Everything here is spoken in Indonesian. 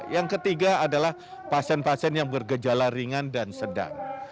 yang ketiga adalah pasien pasien yang bergejala ringan dan sedang